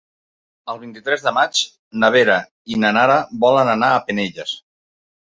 El vint-i-tres de maig na Vera i na Nara volen anar a Penelles.